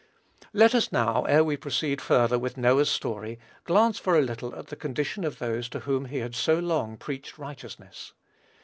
Let us, now, ere we proceed further with Noah's history, glance for a little at the condition of those to whom he had so long preached righteousness.